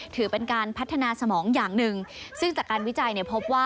ถือเป็นการพัฒนาสมองอย่างหนึ่งซึ่งจากการวิจัยเนี่ยพบว่า